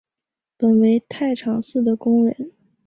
本为太常寺的工人。